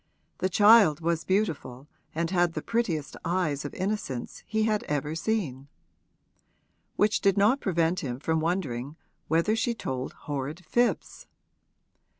The child was beautiful and had the prettiest eyes of innocence he had ever seen: which did not prevent him from wondering whether she told horrid fibs.